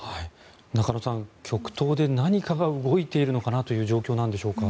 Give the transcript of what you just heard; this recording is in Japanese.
中野さん、極東で何かが動いているのかなという状況なんでしょうか。